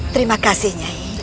terima kasih nyai